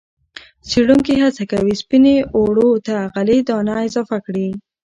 څېړونکي هڅه کوي سپینې اوړو ته غلې- دانه اضافه کړي.